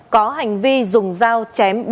có hành vi dùng dao chém